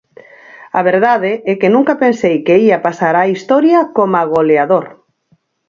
A verdade é que nunca pensei que ía pasar á historia coma goleador.